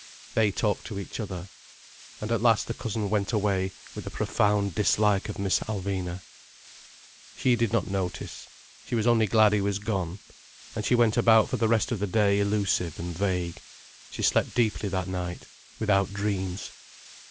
They talked to each other. And at last the cousin went away, with a profound dislike of Miss Alvina. She did not notice. She was only glad he was gone. And she went about for the rest of the day elusive and vague. She slept deeply that night, without dreams.